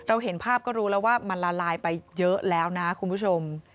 เห็นภาพก็รู้แล้วว่ามันละลายไปเยอะแล้วนะคุณผู้ชม